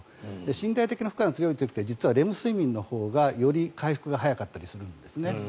身体的な負荷が強い時って実はレム睡眠のほうがより回復が早かったりするんですね。